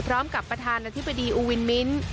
พร้อมกับประธานอธิบดีอูวินมิ้นท์